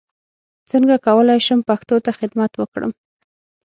څنګه کولای شم پښتو ته خدمت وکړم